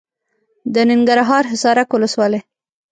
د ننګرهار حصارک ولسوالي .